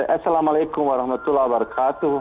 assalamualaikum warahmatullahi wabarakatuh